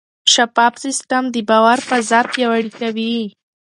شفاف سیستم د باور فضا پیاوړې کوي.